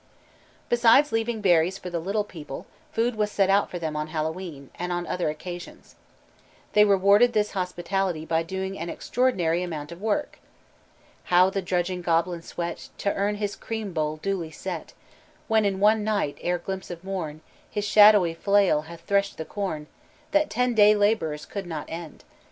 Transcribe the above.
Besides leaving berries for the "Little People," food was set out for them on Hallowe'en, and on other occasions. They rewarded this hospitality by doing an extraordinary amount of work. " how the drudging goblin sweat To earn his cream bowl duly set, When in one night, ere glimpse of morn, His shadowy flail hath threshed the corn That ten day laborers could not end.